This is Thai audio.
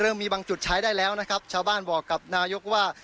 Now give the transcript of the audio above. มีบางจุดใช้ได้แล้วนะครับชาวบ้านบอกกับนายกว่า